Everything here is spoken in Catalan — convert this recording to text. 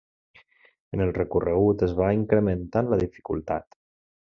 En el recorregut es va incrementant la dificultat.